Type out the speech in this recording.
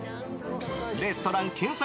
レストラン検索・